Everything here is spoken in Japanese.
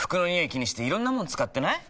気にしていろんなもの使ってない？